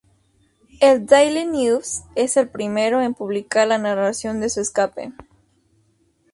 El "Daily News" fue el primero en publicar la narración de su escape.